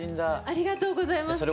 ありがとうございます。